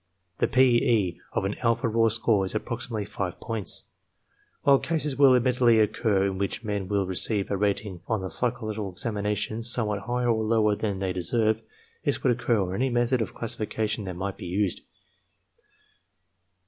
The P. E. of an alpha raw score is approximately 5 points. While cases will admittedly occur in which men will ..receive a rating on the psychological examination somewhat higher or lower than they deserve, this would occur on any method of classification that might be used.